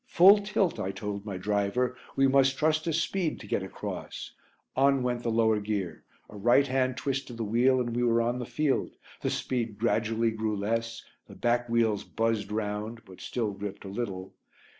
Full tilt, I told my driver, we must trust to speed to get across. On went the lower gear; a right hand twist of the wheel and we were on the field; the speed gradually grew less, the back wheels buzzed round but still gripped a little.